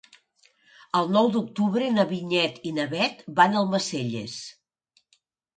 El nou d'octubre na Vinyet i na Bet van a Almacelles.